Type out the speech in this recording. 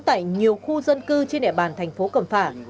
tại nhiều khu dân cư trên đệ bàn thành phố cầm phả